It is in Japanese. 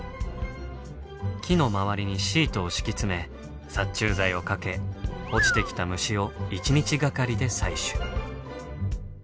木の周りにシートを敷き詰め殺虫剤をかけ落ちてきた虫を一日がかりで採取。